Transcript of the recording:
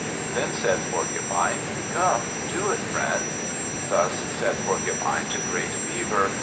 Then said Porcupine, "Come, do it, friend." Thus said Porcupine to great Beaver.